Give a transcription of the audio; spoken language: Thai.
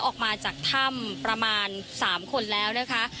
ออกมาจากถ้ำประมาณ๓คนแล้วนะคะ